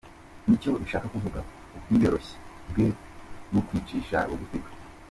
Nicyo bishaka kuvuga ubwiyoroshye bwe n’ukwicisha bugufi kwe.